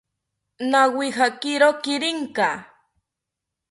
Nawijakiro kirinka